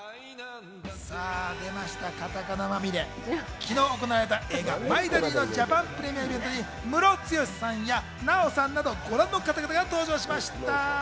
昨日行われた映画『マイ・ダディ』のジャパンプレミアイベントにムロツヨシさんや奈緒さんなどご覧の方々が登場しました。